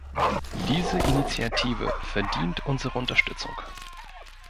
Diese Initiative verdient unsere Unterstützung.